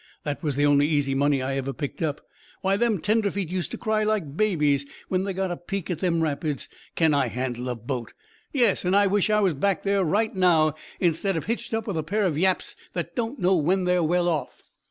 That was the only easy money I ever picked up. Why, them tenderfeet used to cry like babies when they got a peek at them rapids. Can I handle a b Yes, and I wish I was back there right now instead of hitched up with a pair of yaps that don't know when they're well off."